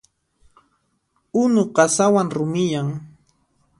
Unu qasawan rumiyan.